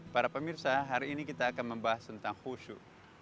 para pemirsa hari ini kita akan membahas tentang khusyuk